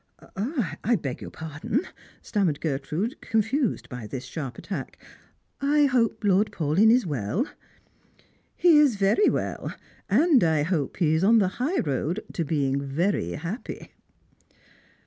" I beg your pardon." stammered Gertrude, confused by thia sharp attack. " I hope Lord Paulyn is well." " He is very well, and I hope he is on the high road to being very happy."